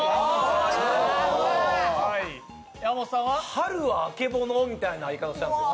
春はあけぼのみたいな言い方したんですよ。